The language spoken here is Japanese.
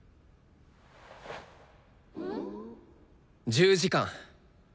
１０時間。